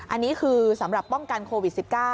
อันนี้คือสำหรับป้องกันโควิด๑๙